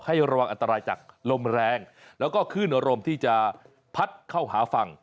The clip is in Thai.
ระวังอันตรายจากลมแรงแล้วก็คลื่นอารมณ์ที่จะพัดเข้าหาฝั่ง